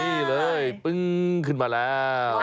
นี่เลยปึ้งขึ้นมาแล้ว